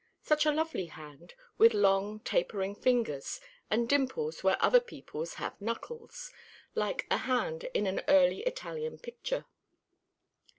Such a lovely hand, with long tapering fingers, and dimples where other people have knuckles, like a hand in an early Italian picture.